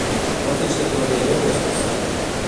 No fins que trobi allò que estic cercant.